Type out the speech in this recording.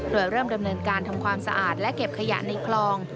โดยเริ่มดำเนินการทำความสะอาดและเก็บขยะในคลอง